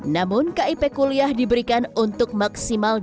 namun kip kuliah diberikan untuk maksimal delapan semester